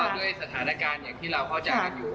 ด้วยสถานการณ์ที่เราเข้าจากอยู่